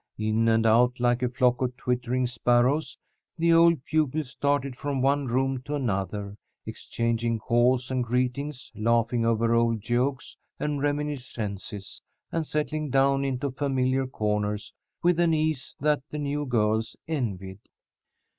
In and out like a flock of twittering sparrows, the old pupils darted from one room to another, exchanging calls and greetings, laughing over old jokes and reminiscences, and settling down into familiar corners with an ease that the new girls envied.